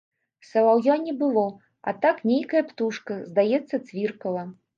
Салаўя не было, а так нейкая птушка, здаецца, цвіркала.